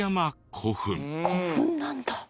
古墳なんだ。